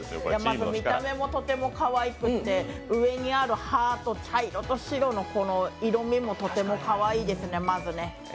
見た目もとてもかわいくて上にあるハート、茶色と白のこの色みもとてもかわいいですねまずね。